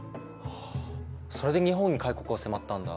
はあそれで日本に開国を迫ったんだ。